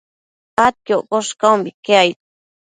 adquioccosh caumbique aid